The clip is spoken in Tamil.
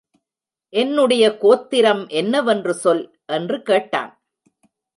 என்னுடைய கோத்திரம் என்னவென்று சொல் என்று கேட்டான்.